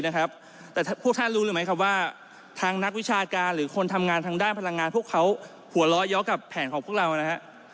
แต่ถ้าพวกท่านรู้รึไหมว่าทางนักวิชาการหรือคนทำงานทางด้านพลังงานพวกเขาหัวเราะเยาะกับแผนของแผนของพวกเรา